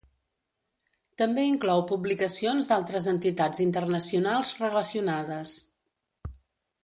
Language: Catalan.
També inclou publicacions d’altres entitats internacionals relacionades.